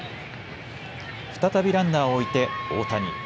再びランナーを置いて大谷。